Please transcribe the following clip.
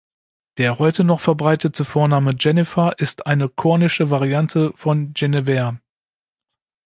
Der heute noch verbreitete Vorname Jennifer ist eine kornische Variante von Guinevere.